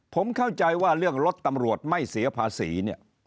ผมเข้าใจว่าเรื่องรถตำรวจไม่เสียภาษีเนี่ย